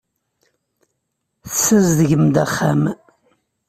Tessazedgem-d axxam.